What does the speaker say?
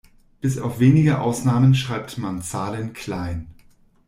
Bis auf wenige Ausnahmen schreibt man Zahlen klein.